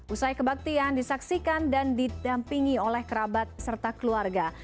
usai kebaktian disaksikan dan didampingi oleh kerabat serta keluarga